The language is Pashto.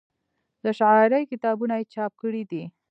د شاعرۍ کتابونه یې چاپ کړي دي